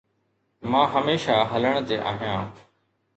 مان هميشه هلڻ تي آهيان